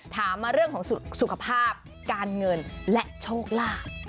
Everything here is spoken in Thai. ถามมาเรื่องของสุขภาพการเงินและโชคลาภ